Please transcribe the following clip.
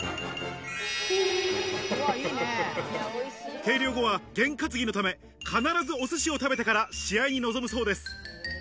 計量後はゲン担ぎのため、必ずお寿司を食べてから試合に臨むそうです。